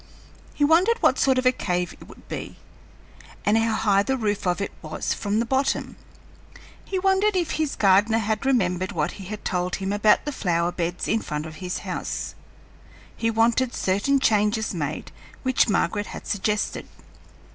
He wondered what sort of a cave it would be, and how high the roof of it was from the bottom. He wondered if his gardener had remembered what he had told him about the flower beds in front of his house; he wanted certain changes made which Margaret had suggested.